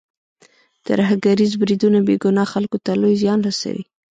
ترهګریز بریدونه بې ګناه خلکو ته لوی زیان رسوي.